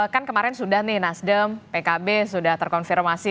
kan kemarin sudah nih nasdem pkb sudah terkonfirmasi